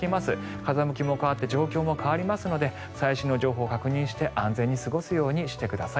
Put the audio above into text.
風向きも変わって状況も変わりますので最新の情報を確認して安全に過ごすようにしてください。